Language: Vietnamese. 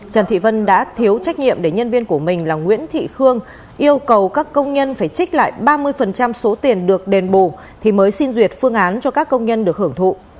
trần thị vân đã thiếu trách nhiệm để nhân viên của mình là nguyễn thị khương yêu cầu các công nhân phải trích lại ba mươi số tiền được đền bù thì mới xin duyệt phương án cho các công nhân được hưởng thụ